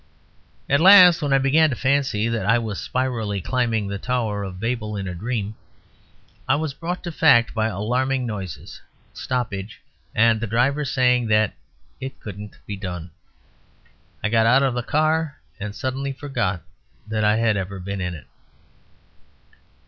At last, when I began to fancy that I was spirally climbing the Tower of Babel in a dream, I was brought to fact by alarming noises, stoppage, and the driver saying that "it couldn't be done." I got out of the car and suddenly forgot that I had ever been in it.